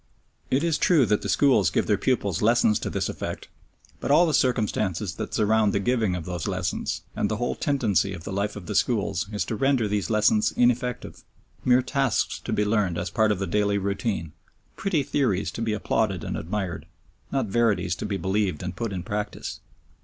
It is true that the schools give their pupils lessons to this effect, but all the circumstances that surround the giving of those lessons and the whole tendency of the life of the schools is to render these lessons ineffective, mere tasks to be learned as part of the daily routine, pretty theories to be applauded and admired, not verities to be believed and put in practice.